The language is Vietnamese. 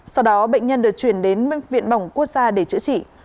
sau đó bệnh nhân được chuyển đến viện bỏng quốc gia để chữa trị